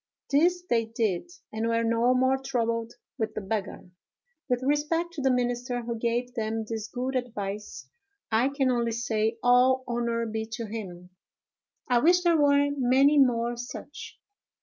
This they did, and were no more troubled with the beggar. With respect to the minister who gave them this good advice, I can only say, all honor be to him! I wish there were many more such!